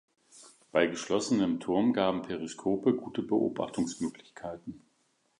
Bei geschlossenem Turm gaben Periskope gute Beobachtungsmöglichkeiten.